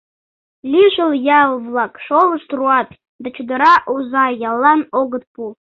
Лишыл ял-влак шолышт руат да чодыра оза яллан огыт пу.